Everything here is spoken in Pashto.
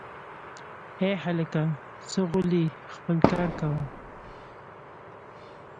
ای هلکه ځه غولی خپل کار کوه